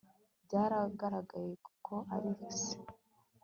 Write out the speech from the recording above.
byaragaragaye ko ari se